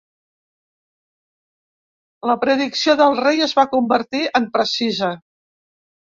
La predicció del rei es va convertir en precisa.